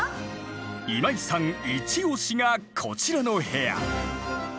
今井さん一押しがこちらの部屋。